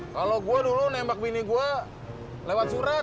kalau gue dulu nembak bini gue lewat surat